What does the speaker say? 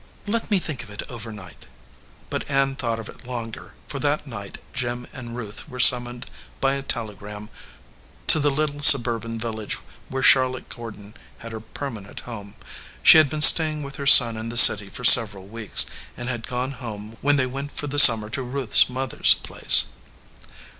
"Let me think of it overnight." But Ann thought of it longer, for that night Jim and Ruth were summoned by a telegram to the little suburban village where Charlotte Gordon had her permanent home. She had been staying with her son in the city for several weeks, and had gone home when they went for the summer to Ruth s mother s place.